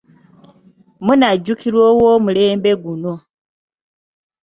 Munnakajulirwa ow’omulembe guno.